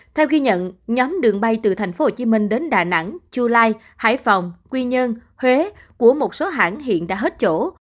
theo ghi nhận nhóm đường bay từ tp hcm đến đà nẵng chu lai hải phòng quy nhơn huế của một số hãng hiện đã hết chỗ